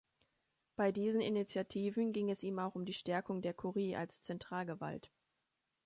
Bei diesen Initiativen ging es ihm auch um die Stärkung der Kurie als Zentralgewalt.